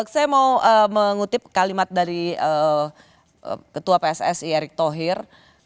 saya mau mengutip kalimat dari ketua pssi erick thohir